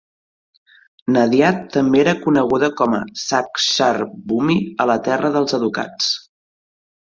Nadiad també era coneguda com a "Sakshar Bhumi", o la Terra dels educats.